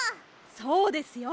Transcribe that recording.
そうですよ。